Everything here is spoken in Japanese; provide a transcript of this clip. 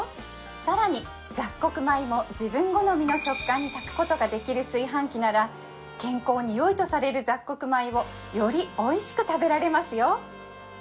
更に雑穀米も自分好みの食感に炊くことができる炊飯器なら健康に良いとされる雑穀米をよりおいしく食べられますよ